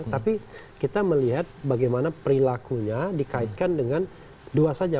tapi kita melihat bagaimana perilakunya dikaitkan dengan dua saja